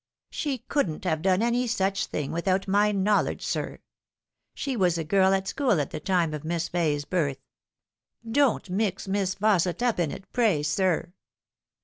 " She couldn't have done any such thing without my know ledge, sir. She was a girl at school at the time of Miss Fay's birth. Don't mix Miss Fauaset up in it, pray sir."